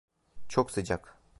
Çok sıcak.